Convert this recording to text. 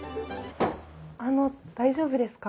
あの大丈夫ですか？